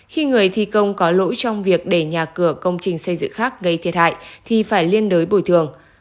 khi người thi công có lỗi trong việc để nhà cửa công trình xây dựng khác gây thiệt hại thì phải liên đối bồi thường